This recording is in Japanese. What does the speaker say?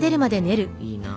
いいな。